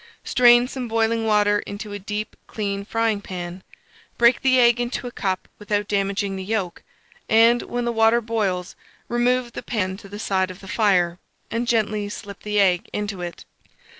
Strain some boiling water into a deep clean frying pan; break the egg into a cup without damaging the yolk, and, when the water boils, remove the pan to the side of the fire, and gently slip the egg into it.